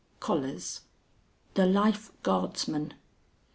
Collars ('The Life Guardsman'), 8s.